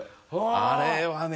あれはね。